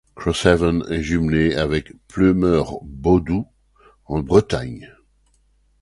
Crosshaven est jumelée avec Pleumeur-Bodou en Bretagne.